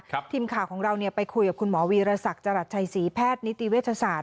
ทีมข่าวของเราเนี่ยไปคุยกับคุณหมอวีรศักดิ์จรัสชัยศรีแพทย์นิติเวชศาสต